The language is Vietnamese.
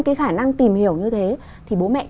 cái khả năng tìm hiểu như thế thì bố mẹ